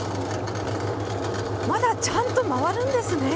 まだちゃんと回るんですね。